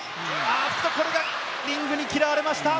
これがリングに嫌われました。